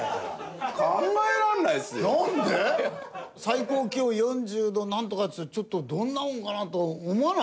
最高気温４０度なんとかっていうとちょっとどんなもんかなと思わない？